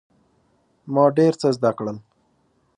ما ډیر څه زده کړل.